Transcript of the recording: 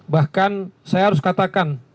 bahkan saya harus katakan